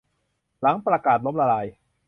หลังประกาศล้มละลาย